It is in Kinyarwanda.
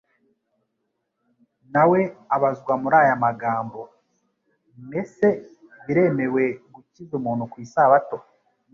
Na we abazwa muri aya magambo: "Mese biremewe gukiza umuntu ku isabato?"